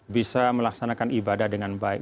bisa melaksanakan ibadah dengan baik